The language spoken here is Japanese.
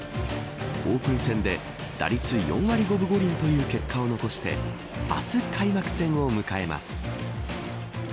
オープン戦で打率４割５分５厘という結果を残して明日、開幕戦を迎えます。